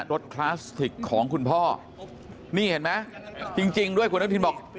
คลาสสิกของคุณพ่อนี่เห็นไหมจริงด้วยคุณอนุทินบอก